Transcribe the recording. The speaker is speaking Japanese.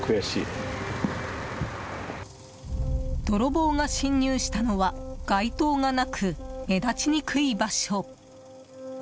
泥棒が侵入したのは街灯がなく、目立ちにくい場所。